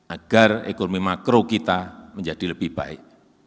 agar ekonomi makro kita menjadi lebih baik